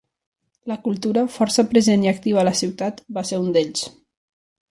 La cultura, força present i activa a la ciutat, va ser un d'ells.